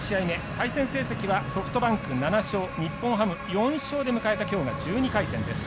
対戦成績はソフトバンク７勝日本ハム４勝で迎えたきょうが１２回戦です。